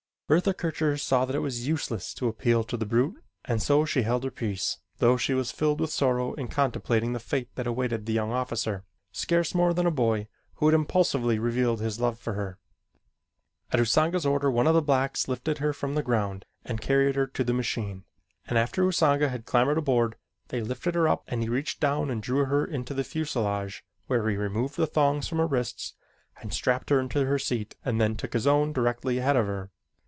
Bertha Kircher saw that it was useless to appeal to the brute and so she held her peace though she was filled with sorrow in contemplating the fate that awaited the young officer, scarce more than a boy, who had impulsively revealed his love for her. At Usanga's order one of the blacks lifted her from the ground and carried her to the machine, and after Usanga had clambered aboard, they lifted her up and he reached down and drew her into the fuselage where he removed the thongs from her wrists and strapped her into her seat and then took his own directly ahead of her.